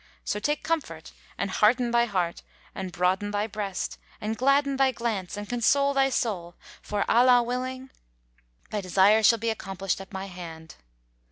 So take comfort, and hearten thy heart and broaden thy breast and gladden thy glance and console thy soul for, Allah willing, thy desire shall be accomplished at my hand."